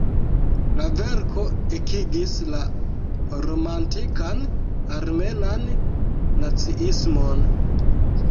La verko ekigis la romantikan armenan naciismon.